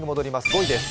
５位です。